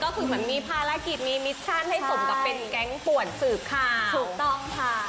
ก็คือมีภารกิจมีมิชชั่นโดยสมกับเป็นแก๊งปวดสืบข่าว